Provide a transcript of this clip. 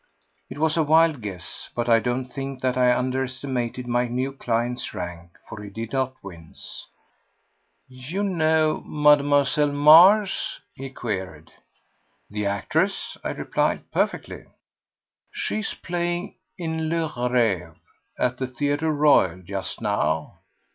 It was a wild guess, but I don't think that I underestimated my new client's rank, for he did not wince. "You know Mlle. Mars?" he queried. "The actress?" I replied. "Perfectly." "She is playing in Le Rêve at the Theatre Royal just now."